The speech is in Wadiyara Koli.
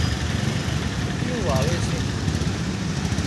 ڦُٽيون واوي سي